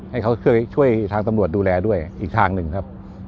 ให้เขาช่วยทางตำรวจดูแลด้วยอีกทางหนึ่งครับ